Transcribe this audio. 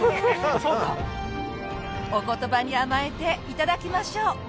お言葉に甘えて頂きましょう。